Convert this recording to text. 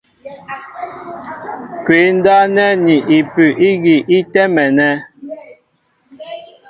Kwǐ ndáp nɛ́ ni ipu' gínɛ́ ígi í tɛ́mɛ.